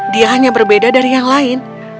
dia hanya berbeda dari yang lain